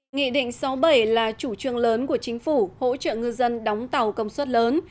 nghị định sáu bảy là chủ trương lớn của chính phủ hỗ trợ ngư dân đóng tàu công suất lớn